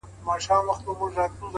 پوهه له زغم سره بشپړېږي؛